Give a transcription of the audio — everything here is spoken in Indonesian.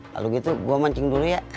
kalo gitu gua mancing dulu ya